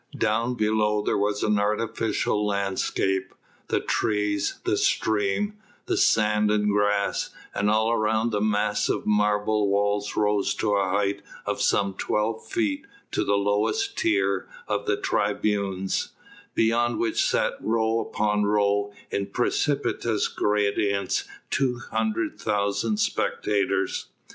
Down below there was the artificial landscape, the trees, the stream, the sand and grass, and all around the massive marble walls rose to a height of some twelve feet to the lowest tier of the tribunes, beyond which sat row upon row in precipitous gradients two hundred thousand spectators.